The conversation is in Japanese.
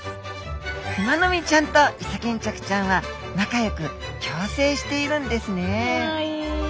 クマノミちゃんとイソギンチャクちゃんは仲よく共生しているんですね